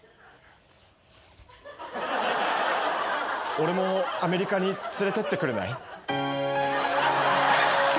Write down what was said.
俺もアメリカに連れてってくれない？